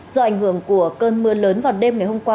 do ảnh hưởng của cơn mưa lớn vào đêm ngày hôm qua